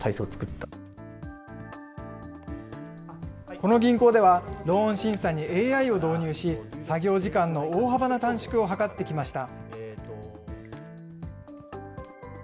この銀行では、ローン審査にＡＩを導入し、作業時間の大幅な短縮を図ってきました。